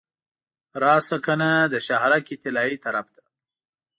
راشه کنه د شهرک طلایي طرف ته.